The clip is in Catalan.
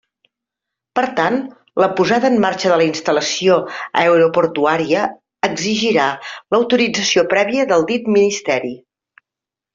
Per tant, la posada en marxa de la instal·lació aeroportuària exigirà l'autorització prèvia del dit ministeri.